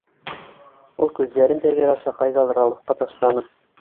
Ул күҙҙәрен тәҙрә аша ҡайҙалыр алыҫҡа ташланы.